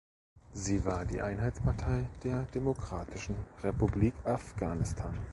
Sie war die Einheitspartei der Demokratischen Republik Afghanistan.